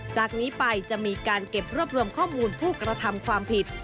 จากนี้ไปจะมีการเก็บรวบรวมข้อมูลผู้กระทำความผิด